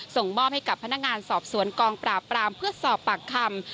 ส่งมอบให้กับพนักงานสอบสวนกองปราบปรามเพื่อสอบปากคำ